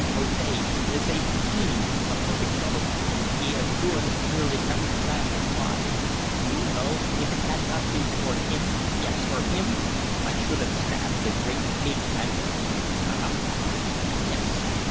Jose, he is a fiend, a perfect devil. He has ruined nearly every plan I tried. Do you know if it had not been for him yes, for him I should have stabbed the great pig admiral." "Carramba!" "Yes."